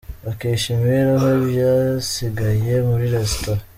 Bakesha imibereho ibyasigaye muri resitora